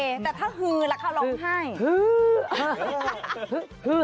แต่ถ้าฮือล่ะลองไห้ฮือ